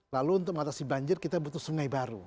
lalu untuk mengatasi banjir kita butuh sungai baru